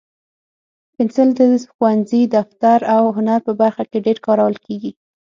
پنسل د ښوونځي، دفتر، او هنر په برخه کې ډېر کارول کېږي.